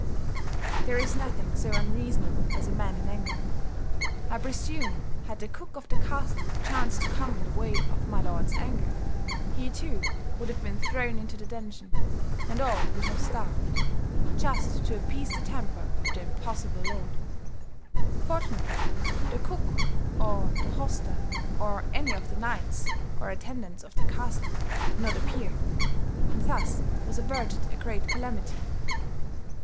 "There is nothing so unreasonable as a man in anger; I presume had the cook of the castle chanced to come in the way of milord's anger, he, too, would have been thrown into the dungeon, and all would have starved, just to appease the temper of the impossible lord. Fortunately, the cook, or the hostler or any of the knights or attendants of the castle did not appear, and thus was averted a great calamity.